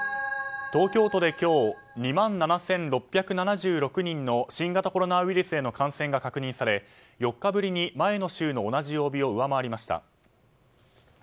東京都で今日２万７６７６人の新型コロナウイルスへの感染が確認され４日ぶりに前の週の同じ曜日を上回りました。